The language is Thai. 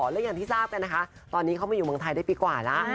และอย่างที่ทราบกันนะคะตอนนี้เขามาอยู่เมืองไทยได้ปีกว่าแล้ว